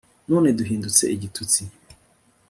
none duhindutse igitutsi